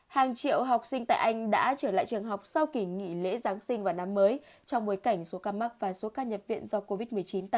hàng triệu học sinh tại anh đã trở lại trường học sau kỳ nghỉ lễ giáng sinh và năm mới trong bối cảnh số ca mắc và số ca nhập viện do covid một mươi chín tăng